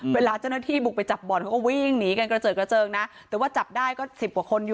หลอกไก่ด้วยก่อน